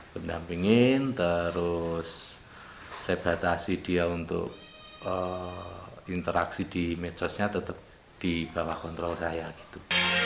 pendampingin terus saya batasi dia untuk interaksi di medsosnya tetap di bawah kontrol saya gitu